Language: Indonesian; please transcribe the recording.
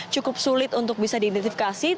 cukup sulit untuk bisa diidentifikasi